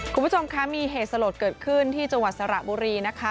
คุณผู้ชมคะมีเหตุสลดเกิดขึ้นที่จังหวัดสระบุรีนะคะ